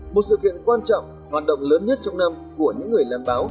một sự kiện quan trọng hoạt động lớn nhất trong năm của những người làm báo